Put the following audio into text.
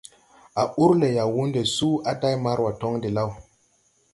A ur le Yawunde suu a day Marwa tɔŋ de law.